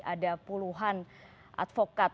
ada puluhan advokat